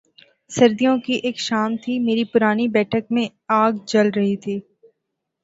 سردیوں کی ایک شام تھی، میری پرانی بیٹھک میں آگ جل رہی تھی۔